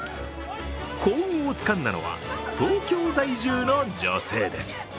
幸運をつかんだのは東京在住の女性です。